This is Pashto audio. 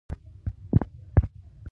برقي بار مثبت یا منفي وي.